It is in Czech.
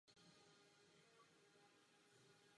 Má otázka se nesla na úplně stejné vlnové délce.